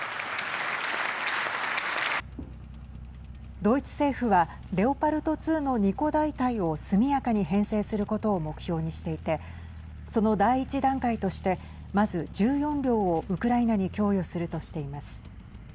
ドイツ政府は、レオパルト２の２個大隊を速やかに編成することを目標にしていてその第１段階としてまず、１４両をウクライナに供与するとしています。